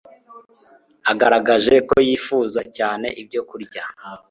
agaragaje ko yifuza cyane ibyokurya